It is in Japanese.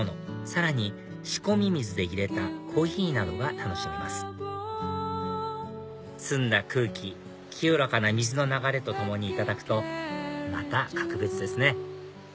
さらに仕込み水で入れたコーヒーなどが楽しめます澄んだ空気清らかな水の流れと共にいただくとまた格別ですね